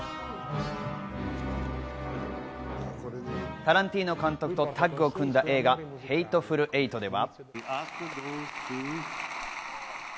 タランティーノ監督とタッグを組んだ映画『ヘイトフル・エイト』では。